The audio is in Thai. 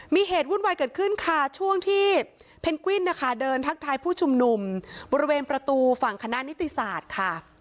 มีเหตุวุ่นวายเกิดขึ้นค่ะช่วงที่เพนกวิ้นนะคะเดินทักทายผู้ชุมนุมบริเวณประตูฝั่งคณะนิติศาสตร์ค่ะ